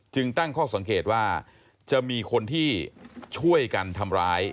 ตั้งข้อสังเกตว่าจะมีคนที่ช่วยกันทำร้าย